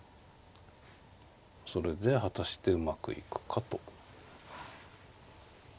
それで果たしてうまくいくかと。